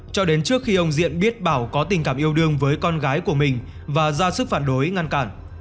cho đến trước khi ông diện biết bảo có tình cảm yêu đương với con gái của mình và ra sức phản đối ngăn cản